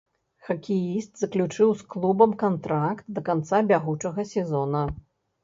Хакеіст заключыў з клубам кантракт да канца бягучага сезона.